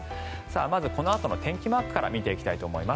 まずこのあとの天気マークから見ていきたいと思います。